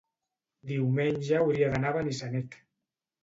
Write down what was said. diumenge hauria d'anar a Benissanet.